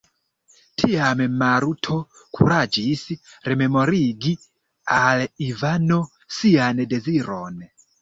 Tiam Maluto kuraĝis rememorigi al Ivano sian deziron.